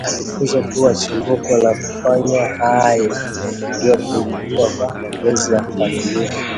Alifunzwa kuwa chimbuko la kufanya hayo yote ilikuwa kwa mapenzi ya familia